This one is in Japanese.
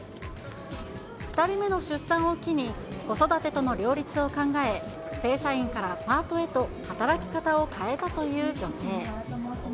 ２人目の出産を機に、子育てとの両立を考え、正社員からパートへと働き方を変えたという女性。